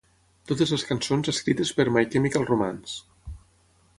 Totes les cançons escrites per My Chemical Romance.